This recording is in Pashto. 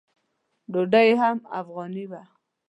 ډوډۍ یې هم افغاني وه.